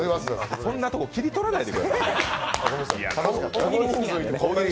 そんなところ切り取らないでください。